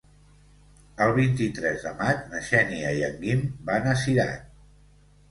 El vint-i-tres de maig na Xènia i en Guim van a Cirat.